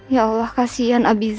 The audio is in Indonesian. ya allah kasihan abiza